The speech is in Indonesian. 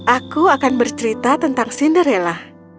aku akan bercerita tentang cinderella